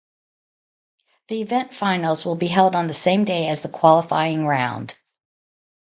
The event finals will be held on the same day as the qualifying round.